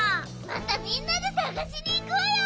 またみんなでさがしにいこうよ。